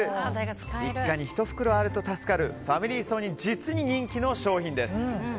一家に１袋あると助かるファミリー層に実に人気の商品です。